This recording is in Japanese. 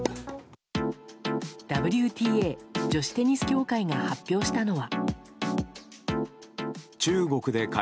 ＷＴＡ・女子テニス協会が発表したのは。